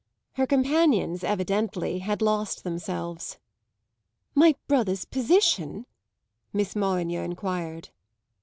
Her companions, evidently, had lost themselves. "My brother's position?" Miss Molyneux enquired.